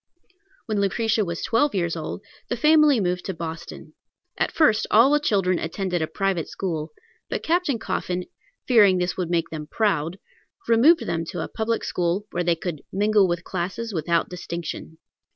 When Lucretia was twelve years old, the family moved to Boston. At first all the children attended a private school; but Captain Coffin, fearing this would make them proud, removed them to a public school, where they could "mingle with all classes without distinction."